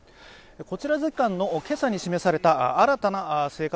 こちら時間の今朝に示された新たな成果